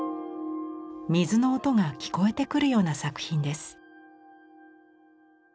水の音が聞こえてくるような作品です。